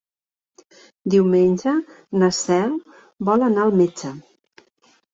Diumenge na Cel vol anar al metge.